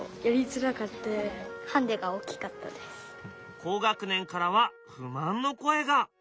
高学年からは不満の声が。